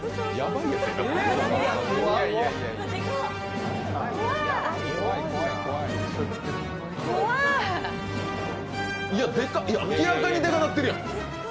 いや、明らかにデカなってるやん！